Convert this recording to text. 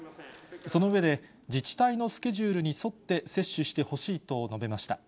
その上で、自治体のスケジュールに沿って接種してほしいと述べました。